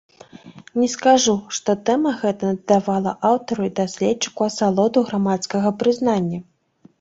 Не скажу, што тэма гэта дадавала аўтару і даследчыку асалоду грамадскага прызнання.